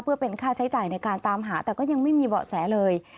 เพื่อเป็นค่าใช้จ่ายในการตามหาแต่ก็ยังไม่มีเบาะแสเลย